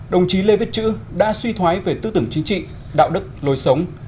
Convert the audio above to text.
đồng chí lê viết chữ đã suy thoái về tư tưởng chính trị đạo đức lối sống